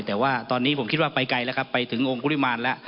แต่ว่าตอนนี้ผมคิดว่าไปไกลแล้วครับไปถึงองค์กุริมาณแล้ว